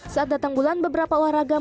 saat datang bulan beberapa olahraga